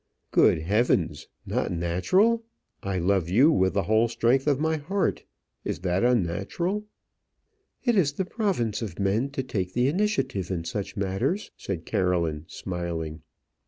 "Good heavens! not natural. I love you with the whole strength of my heart. Is that unnatural?" "It is the province of men to take the initiative in such matters," said Caroline, smiling.